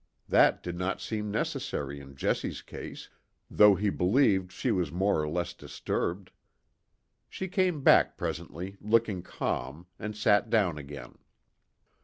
That did not seem necessary in Jessie's case, though he believed she was more or less disturbed. She came back presently, looking calm, and sat down again.